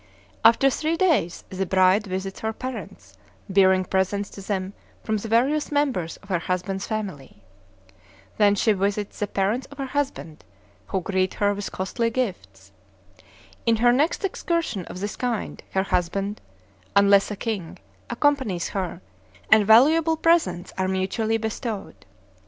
After three days the bride visits her parents, bearing presents to them from the various members of her husband's family. Then she visits the parents of her husband, who greet her with costly gifts. In her next excursion of this kind her husband (unless a king) accompanies her, and valuable presents are mutually bestowed.